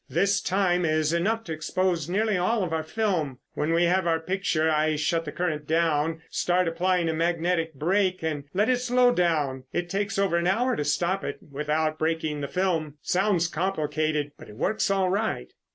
This time is enough to expose nearly all of our film. When we have our picture, I shut the current down, start applying a magnetic brake, and let it slow down. It takes over an hour to stop it without breaking the film. It sounds complicated, but it works all right."